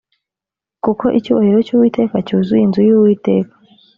kuko icyubahiro cy uwiteka cyuzuye inzu y uwiteka